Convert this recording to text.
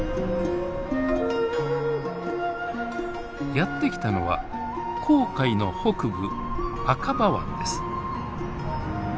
やって来たのは紅海の北部アカバ湾です。